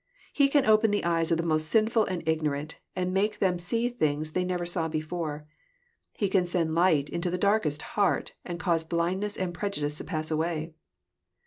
He can open the eyes of the most sinful and ignorant, and make them see things they never saw before. He can send light into the darkest heart, and cause blindness and preju dice to pass away.